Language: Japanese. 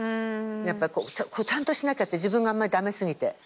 やっぱちゃんとしなきゃって自分があんまり駄目すぎて。